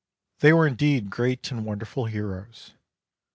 They were indeed great and wonderful heroes.